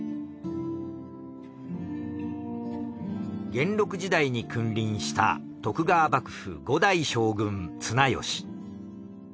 元禄時代に君臨した徳川幕府５代将軍綱吉。